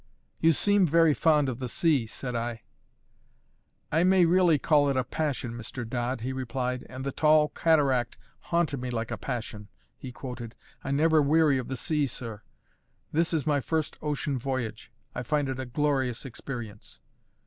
"You seem very fond of the sea," said I. "I may really call it a passion, Mr. Dodd," he replied. "And the tall cataract haunted me like a passion," he quoted. "I never weary of the sea, sir. This is my first ocean voyage. I find it a glorious experience."